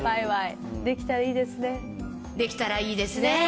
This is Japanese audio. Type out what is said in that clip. わいわいできたらいいですね。